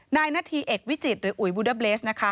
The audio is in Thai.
นาธีเอกวิจิตรหรืออุ๋ยบูเดอร์เบสนะคะ